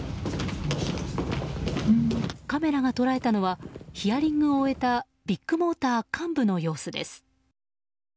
カメラが捉えたのはヒアリングを終えたビッグモーター幹部の様子です。